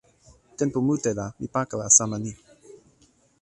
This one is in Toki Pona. tenpo mute la mi pakala sama ni.